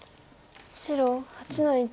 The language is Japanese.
白８の一。